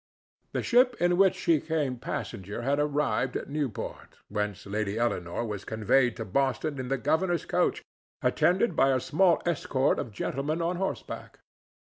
The ship in which she came passenger had arrived at Newport, whence Lady Eleanore was conveyed to Boston in the governor's coach, attended by a small escort of gentlemen on horseback.